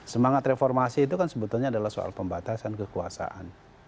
semangat reformasi itu kan sebetulnya adalah soal pembatasan kekuasaan